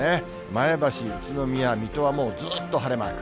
前橋、宇都宮、水戸はもうずっと晴れマーク。